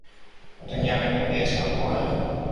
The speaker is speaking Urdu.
دنیا میں کبھی ایسا ہو اہے؟